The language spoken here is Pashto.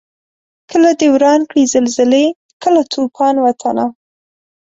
کله دي وران کړي زلزلې کله توپان وطنه